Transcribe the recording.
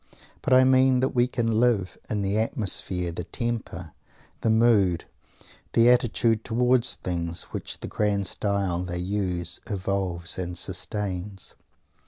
_ But I mean that we can live in the atmosphere, the temper, the mood, the attitude towards things, which "the grand style" they use evokes and sustains.